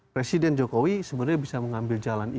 presiden jokowi sebenarnya bisa mengambil jalan itu